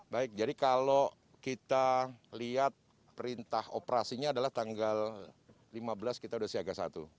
baik jadi kalau kita lihat perintah operasinya adalah tanggal lima belas kita sudah siaga satu